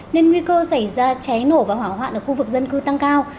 nên nguy cơ xảy ra cháy nổ và hỏa hoạn ở khu vực dân cư tăng cao